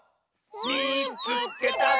「みいつけた！」。